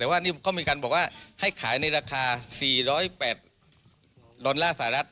แต่ว่านี่ก็มีการบอกว่าให้ขายในราคา๔๐๘ดอลลาร์สหรัฐ